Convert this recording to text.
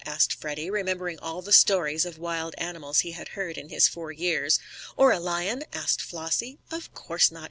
asked Freddie, remembering all the stories of wild animals he had heard in his four years. "Or a lion?" asked Flossie. "Of course not!"